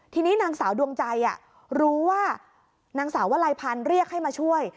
ทีนี้นางสาวดวงใจรู้ว่านางสาววลัยพันธ์เรียกให้มาช่วย